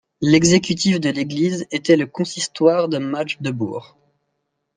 L'exécutif de l’Église était le consistoire de Magdebourg.